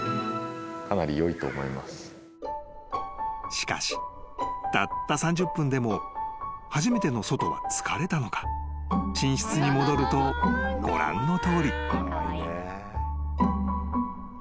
［しかしたった３０分でも初めての外は疲れたのか寝室に戻るとご覧のとおり］